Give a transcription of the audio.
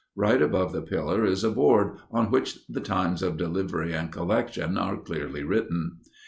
Right above the pillar is a board on which the times of delivery and collection are clearly written.